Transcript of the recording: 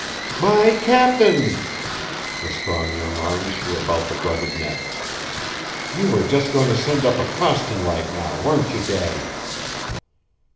"My Cap'n!" The strong young arms were about the rugged neck. "You were just going to send up a Coston light, now weren't you, Daddy?"